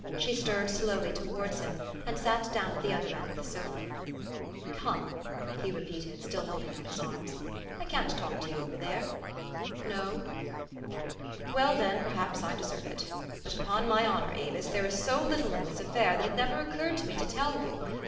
She stirred slowly to wards him, and sat down at the other end of the sofa. " Come," he repeated still holding out his arms. " I can't talk to you over there. No? Well, then ; perhaps I deserve it. But upon my honor, Avis, there is so little in this affair, that it never occurred 304 THE STORY OF AVIS. to me to tell you.